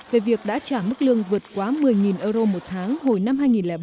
về việc đã trả mức lương vượt quá một mươi euro một tháng hồi năm hai nghìn bảy